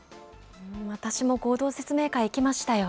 私も合同説明会行きましたよ。